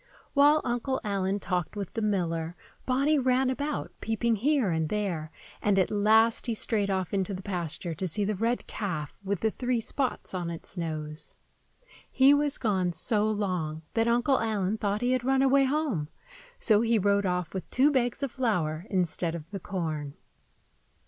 While Uncle Allen talked with the miller, Bonny ran about, peeping here and there; and at last he strayed off into the pasture to see the red calf with the three spots on its nose. He was gone so long that Uncle Allen thought he had run away home, so he rode off with two bags of flour instead of the corn.